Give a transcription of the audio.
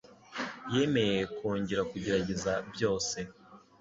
yemeye kongera kugerageza byose